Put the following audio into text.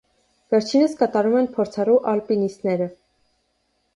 Վերջինս կատարում են փորձառու ալպինիստները։